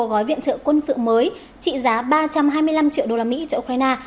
gói viện trợ quân sự mới trị giá ba trăm hai mươi năm triệu đô la mỹ cho ukraine